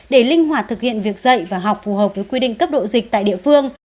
để linh hoạt thực hiện việc dạy và học phù hợp với quy định cấp độ dịch tại địa phương